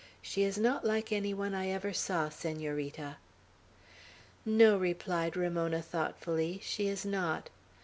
She is not like any one I ever saw, Senorita." "No," replied Ramona, thoughtfully. "She is not.